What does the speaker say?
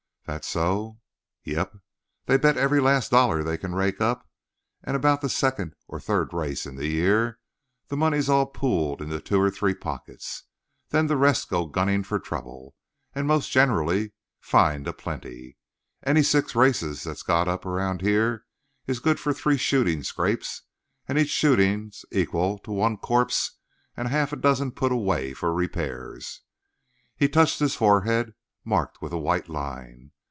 "That so?" "Yep. They bet every last dollar they can rake up, and about the second or third race in the year the money's all pooled in two or three pockets. Then the rest go gunnin' for trouble, and most generally find a plenty. Any six races that's got up around here is good for three shooting scrapes, and each shooting's equal to one corpse and half a dozen put away for repairs." He touched his forehead, marked with a white line.